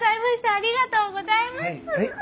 ありがとうございます。